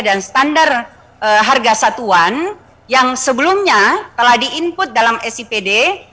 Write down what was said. dan standar harga satuan yang sebelumnya telah di input dalam sipd